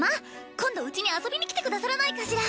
今度うちに遊びに来てくださらないかしら？